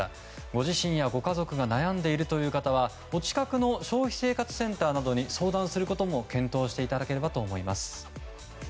ご自身やご家族が悩んでいるという方はお近くの消費生活センターなどに相談することも検討していただければと思います。